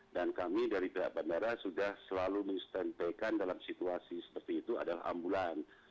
dan kami dari pihak bandara sudah selalu menstanteikan dalam situasi seperti itu adalah ambulan